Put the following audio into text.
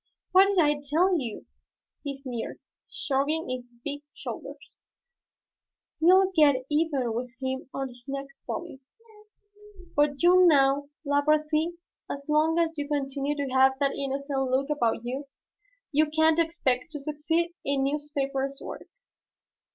"What did I tell you?" he sneered, shrugging his big shoulders. "We'll get even with him on his next volume. But you know, Labarthe, as long as you continue to have that innocent look about you, you can't expect to succeed in newspaper work."